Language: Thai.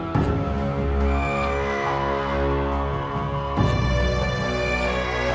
บุรีกรอะไรง่ายเพื่อนตาย